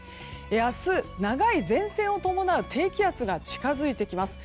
明日、長い前線を伴う低気圧が近づいてきます。